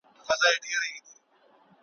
یارانه پر میدان ختمه سوه بې پته ,